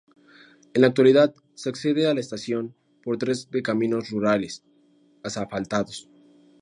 En la actualidad se accede a la estación por tres de caminos rurales asfaltados.